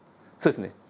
そうですね。